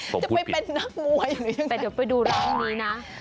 จะไปเป็นนักมวยอย่างไรหรือเปล่าแต่เดี๋ยวไปดูร้านงี้นะ